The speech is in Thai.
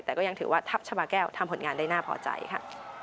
แต่ก็ยังถือว่าทัพชาบาแก้วทำผลงานได้น่าพอใจค่ะ